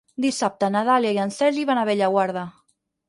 Dissabte na Dàlia i en Sergi van a Bellaguarda.